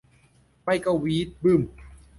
ไม่ก็วี๊ดบึ๊ม